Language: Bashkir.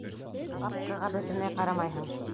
Папкаға бөтөнләй ҡарамайһың.